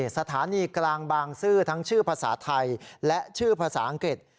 สถานีกลางบางซื่อทั้งชื่อภาษาไทยและชื่อภาษาอังกฤษ